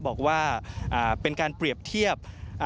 บอกว่าเป็นการเปรียบเทียบ